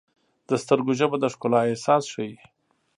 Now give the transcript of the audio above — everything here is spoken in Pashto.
د سترګو ژبه د ښکلا احساس ښیي.